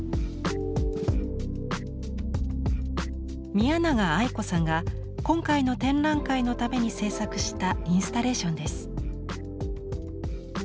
宮永愛子さんが今回の展覧会のために制作したインスタレーションです。